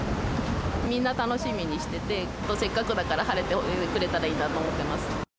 みんな楽しみにしてて、せっかくだから晴れてくれたらいいなと思ってます。